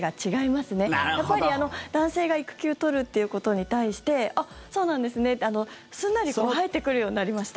やっぱり男性が育休取るっていうことに対してあっ、そうなんですねってすんなり入ってくるようになりました。